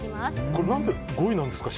これ、何で５位なんですか？